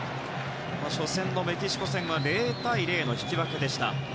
初戦のメキシコ戦は０対０の引き分けでした。